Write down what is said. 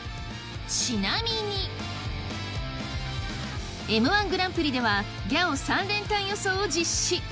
ちなみにＭ−１グランプリではギャオ三連単予想を実施！